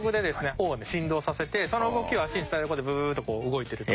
尾を振動させてその動きを足に伝える事でブーッと動いてると。